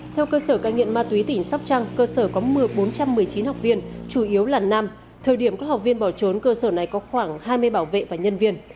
theo cơ sở cai nghiện ma túy tỉnh sóc trăng cơ sở có bốn trăm một mươi chín học viên chủ yếu là nam thời điểm các học viên bỏ trốn cơ sở này có khoảng hai mươi bảo vệ và nhân viên